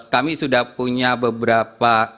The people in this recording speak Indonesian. kami sudah punya beberapa